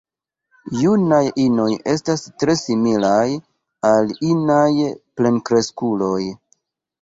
Junaj inoj estas tre similaj al inaj plenkreskuloj.